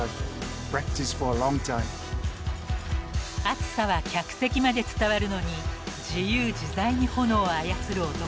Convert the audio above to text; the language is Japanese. ［熱さは客席まで伝わるのに自由自在に炎を操る男